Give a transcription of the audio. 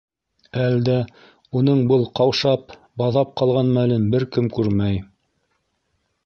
Әлдә уның был ҡаушап, баҙап ҡалған мәлен бер кем күрмәй.